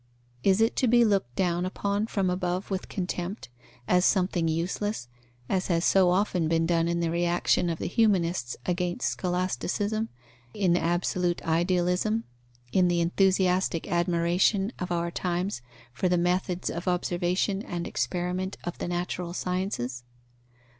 Is it to be looked down upon from above with contempt, as something useless, as has so often been done in the reaction of the humanists against scholasticism, in absolute idealism, in the enthusiastic admiration of our times for the methods of observation and experiment of the natural sciences?